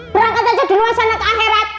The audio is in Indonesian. berangkat aja dulu asal nak aherat